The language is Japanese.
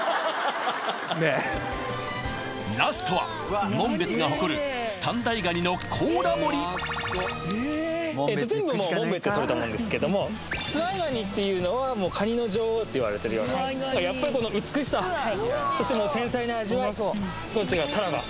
ラストは紋別が誇る全部紋別で獲れたもんですけどもズワイガニっていうのはカニの女王っていわれてるようなやっぱりこの美しさそして繊細な味わいこっちがタラバ